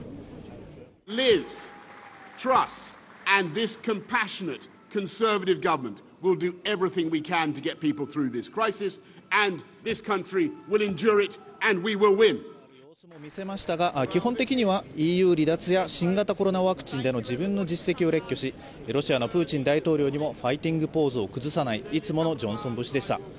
未練がある様子も見せましたが、基本的にはＥＵ離脱や新型コロナワクチンでの自分の実績を列挙し、ロシアのプーチン大統領にもファイティングポーズを崩さないいつものジョンソン節でした。